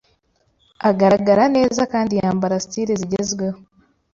agaragara neza kandi yambara style zigezweho,